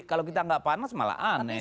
kalau kita enggak panas malah aneh tuh